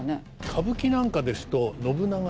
歌舞伎なんかですと信長